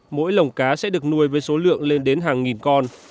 mỗi lồng cá sẽ được nuôi với số lượng lên đến hàng nghìn con